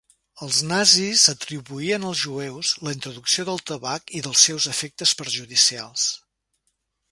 Els nazis atribuïen als jueus la introducció del tabac i dels seus efectes perjudicials.